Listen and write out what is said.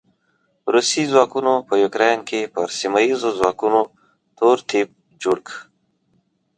روسي ځواکونو په يوکراين کې پر سیمه ايزو ځواکونو تور تيپ جوړ کړ.